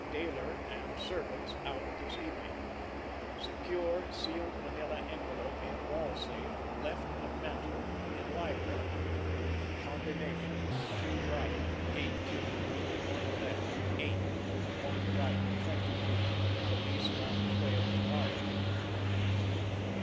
Dayler and servants out this evening. Secure sealed manila envelope in wall safe, left of mantel, in library. Combination: Two right, eighteen; one left, eight; one right, twenty eight. Police on trail to morrow.